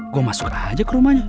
gue masuk aja ke rumahnya